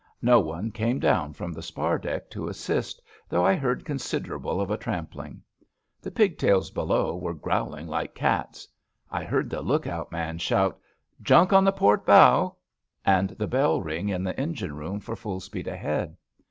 No one came down from the spar deck to assist, though I heard considerable of a tram pling. The pigtails below were growling like cats. I heard the look out man shout, * Junk on the port bow,' and the bell ring in the engine room for full speed ahead.